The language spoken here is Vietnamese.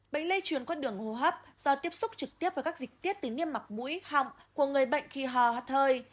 bệnh lây chuyển có đường hô hấp do tiếp xúc trực tiếp với các dịch tiết tính niêm mặc mũi họng của người bệnh khi hoa hoa thơi